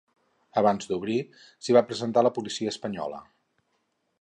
Abans d’obrir, s’hi va presentar la policia espanyola.